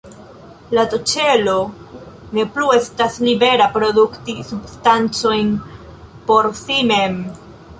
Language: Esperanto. La T-ĉelo ne plu estas libera produkti substancojn por si mem.